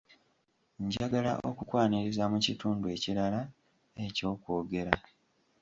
Njagala okukwaniriza mu kitundu ekirala eky’okwogera.